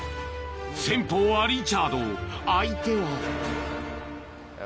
先鋒はリチャード相手は？